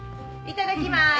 いただきます。